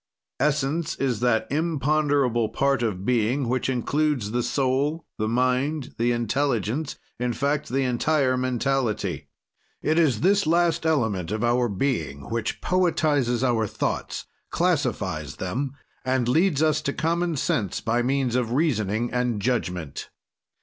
"Essence is that imponderable part of being which includes the soul, the mind, the intelligence, in fact the entire mentality. "It is this last element of our being which poetizes our thoughts, classifies them, and leads us to common sense, by means of reasoning and judgment.